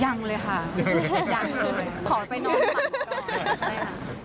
ยังเลยค่ะยังเลยขอไปนอนฝั่งก่อนใช่ค่ะ